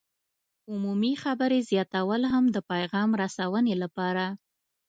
عمومي خبرې زیاتول هم د پیغام رسونې لپاره